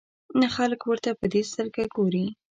نه خلک ورته په دې سترګه ګوري.